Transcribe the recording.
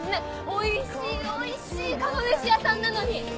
おいしいおいしい釜飯屋さんなのに！